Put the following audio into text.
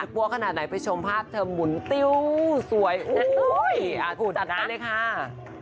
กลัวขนาดไหนไปชมภาพเธอหมุนติ้วสวยคุณจัดมาเลยค่ะ